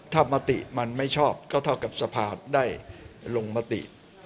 ถ้ามะติมันไม่ชอบก็เท่ากับสภาพุทธธรรมได้ลงมะติ